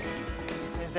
先生。